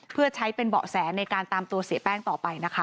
เพื่อใช้เป็นเบาะแสในการตามตัวเสียแป้งต่อไปนะคะ